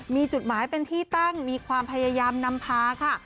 มีจุดหมายเป็นที่ตั้งมีความพยายามนำพาค่ะ